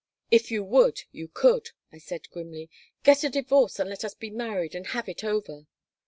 "If you would you could," I said, grimly. "Get a divorce and let us be married and have it over."